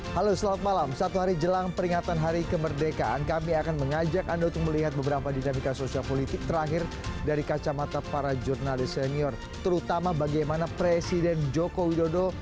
halo selamat malam satu hari jelang peringatan hari kemerdekaan kami akan mengajak anda untuk melihat beberapa dinamika sosial politik terakhir dari kacamata para jurnalis senior terutama bagaimana presiden joko widodo